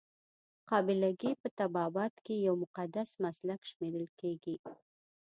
قابله ګي په طبابت کې یو مقدس مسلک شمیرل کیږي.